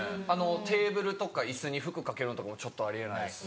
テーブルとか椅子に服掛けるのとかもちょっとあり得ないです。